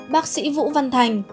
bác sĩ vũ văn thành